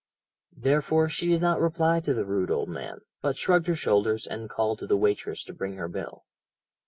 Therefore she did not reply to the rude old man, but shrugged her shoulders, and called to the waitress to bring her bill.